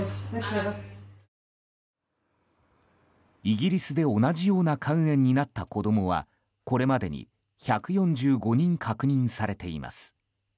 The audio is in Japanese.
イギリスで同じような肝炎になった子供はこれまでに１４５人確認されています。